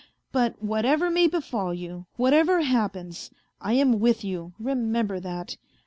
But whatever may befall you, whatever happens, I am with you, remember that.